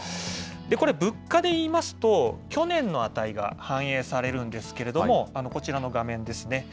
これ物価で言いますと、去年の値が反映されるんですけれども、こちらの画面ですね。